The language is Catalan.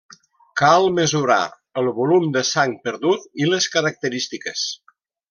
Cal mesurar el volum de sang perdut i les característiques.